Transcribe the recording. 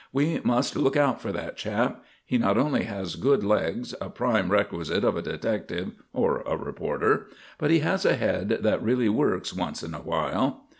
We must look out for that chap. He not only has good legs, a prime requisite of a detective or a reporter, but he has a head that really works once in a while."